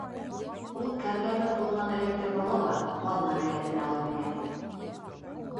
Ул кәрләне ҡулынан эләктереп ала ла ҡаҙна келәтенә алып инә.